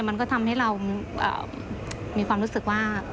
มันก็ทำให้เรามีความรู้สึกว่า